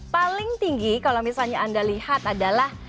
paling tinggi kalau misalnya anda lihat adalah